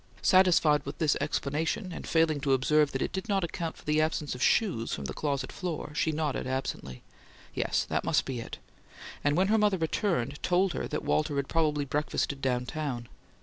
Satisfied with this explanation, and failing to observe that it did not account for the absence of shoes from the closet floor, she nodded absently, "Yes, that must be it"; and, when her mother returned, told her that Walter had probably breakfasted down town.